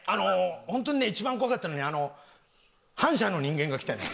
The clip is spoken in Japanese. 本当にね一番怖かったのはね反社の人間が来たのよ。